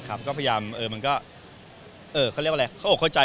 ก็พยายามเข้าเข้าใจ